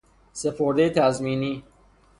سپردهی تضمینی